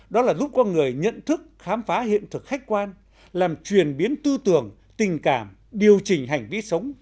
đó là giúp con người nhận thức khám phá hiện thực khách quan làm truyền biến tư tưởng tình cảm điều chỉnh hành vi sống